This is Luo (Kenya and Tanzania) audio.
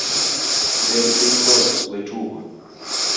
Bed piny mos, wetugo.